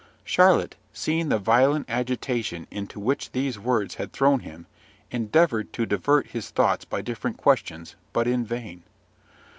Charlotte, seeing the violent agitation into which these words had thrown him, endeavoured to divert his thoughts by different questions, but in vain.